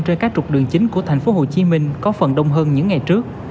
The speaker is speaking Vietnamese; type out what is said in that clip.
trên các trục đường chính của tp hcm có phần đông hơn những ngày trước